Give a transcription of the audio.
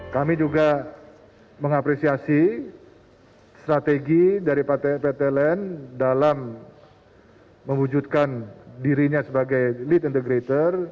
kami juga mengapresiasi strategi dari pt line dalam mewujudkan dirinya sebagai lead integrator